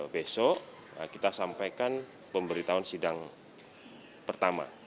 besok kita sampaikan pemberitahuan sidang pertama